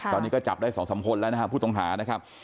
ตอนนี้ก็จับได้๒๓คนแล้วนะครับผู้ต้องหานะครับ